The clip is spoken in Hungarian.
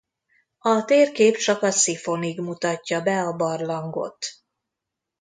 A térkép csak a szifonig mutatja be a barlangot.